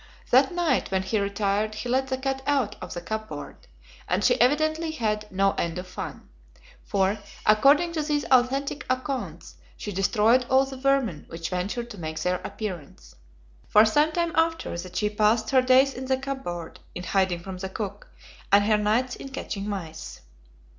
That night when he retired he let the cat out of the cupboard, and she evidently had "no end of fun"; for, according to these authentic accounts, "she destroyed all the vermin which ventured to make their appearance." For some time after that she passed her days in the cupboard (in hiding from the cook) and her nights in catching mice.